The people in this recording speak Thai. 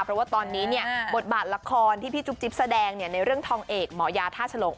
เพราะว่าตอนนี้เนี่ยบทบาทละครที่พี่จุ๊บจิ๊บแสดงในเรื่องทองเอกหมอยาท่าฉลง